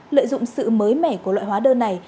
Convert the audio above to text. lợi dụng sự mới mẻ của loại hóa đơn này